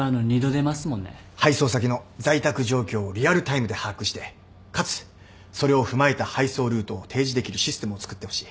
配送先の在宅状況をリアルタイムで把握してかつそれを踏まえた配送ルートを提示できるシステムをつくってほしい。